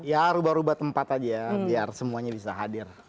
ya rubah rubah tempat aja biar semuanya bisa hadir